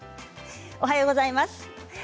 おはようございます。